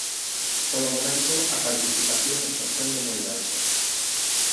Polo momento, a participación está sendo moi baixa.